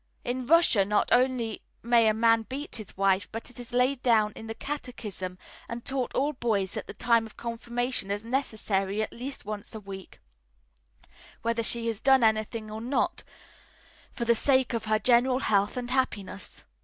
In Russia, not only may a man beat his wife, but it is laid down in the catechism and taught all boys at the time of confirmation as necessary at least once a week, whether she has done anything or not, for the sake of her general health and happiness."